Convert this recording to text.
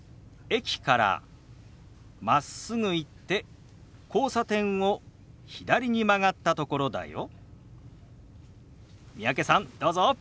駅からまっすぐ行って交差点を左に曲がったところだよ。